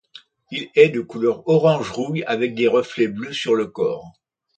Il est de couleur orange rouille avec des reflets bleus sur le corps.